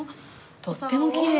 とってもきれい。